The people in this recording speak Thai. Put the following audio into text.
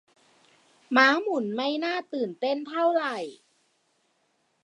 ม้าหมุนไม่น่าตื่นเต้นเท่าไหร่